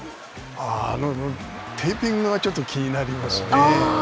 あのテーピングがちょっと気になりますね。